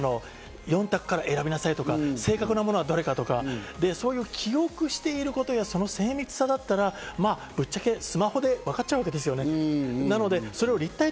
４択から選びなさいとか、正確なものはどれかとか、記憶していることやその精密さだったらぶっちゃけスマホでわかっちゃうわけですね。